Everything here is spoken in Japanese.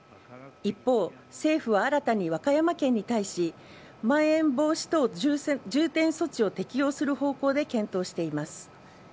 一方、政府は新たに和歌山県に対し、まん延防止等重点措置を適用する方向で検討しています。